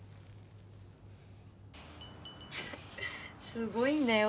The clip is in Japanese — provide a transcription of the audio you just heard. すごいんだよ。